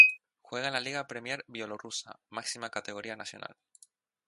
Juega en la Liga Premier bielorrusa, máxima categoría nacional.